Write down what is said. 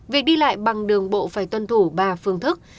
việc đi lại bằng đường bộ phải tuân thủ ba phương thức